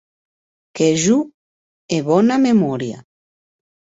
Que jo è bona memòria.